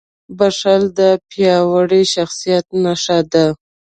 • بښل د پیاوړي شخصیت نښه ده.